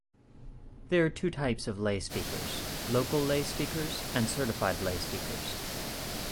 There are two types of lay speakers: local lay speakers and certified lay speakers.